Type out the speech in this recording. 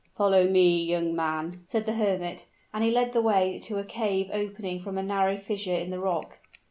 "Follow me, young man," said the hermit; and he led the way to a cave opening from a narrow fissure in the rock.